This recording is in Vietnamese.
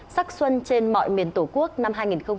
sắc xuân trên mọi miền tổ quốc năm hai nghìn một mươi chín